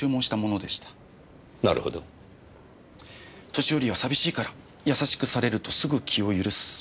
年寄りは寂しいから優しくされるとすぐ気を許す。